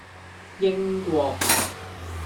英國